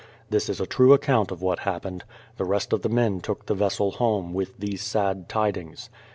This is a true account of what happened. The rest of the men took the vessel home, with these sad tidings.